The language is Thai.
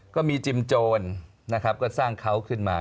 ก็มีจิมโจรนะครับก็สร้างเขาขึ้นมา